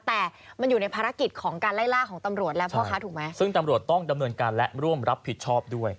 แต่มันอยู่ในภารกิจของการไล่ล่าของตำรวจและพ่อค้าถูกไหมซึ่งตำรวจต้องดำเนินการและร่วมรับผิดชอบด้วย